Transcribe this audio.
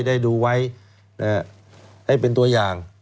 ได้ดูไว้ให้เป็นตัวอย่าง